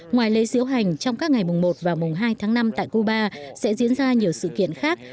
ngoài lễ diễu hành trong các ngày mùng một và mùng hai tháng năm tại cuba sẽ diễn ra nhiều sự kiện khác